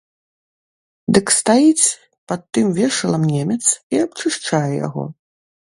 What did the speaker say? Дык стаіць пад тым вешалам немец і абчышчае яго.